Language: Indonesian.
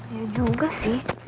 ya juga sih